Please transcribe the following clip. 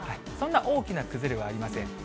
そんな大きな崩れはありません。